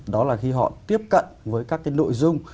đó là khi họ tiếp cận với các cái nội dung